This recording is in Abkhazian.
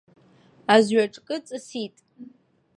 Азҩа-ҿкы ҵысит.